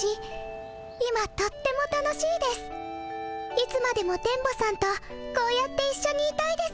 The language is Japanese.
いつまでも電ボさんとこうやっていっしょにいたいです。